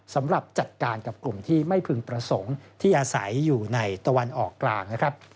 สำหรับจัดการกับกลุ่มที่ไม่พึงประสงค์ที่อาศัยอยู่ในตะวันออกกลางนะครับ